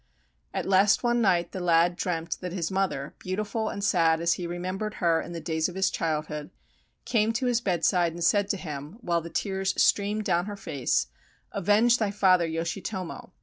At last one night the lad dreamed that his mother, beautiful and sad as he remembered her in the days of his childhood, came to his bedside and said to him, while the tears streamed down her face: "Avenge thy father, Yoshitomo!